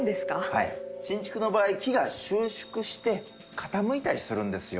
はい新築の場合木が収縮して傾いたりするんですよ